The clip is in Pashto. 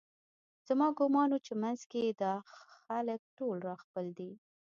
زما ګومان و چې په منځ کې یې دا خلک ټول راخپل دي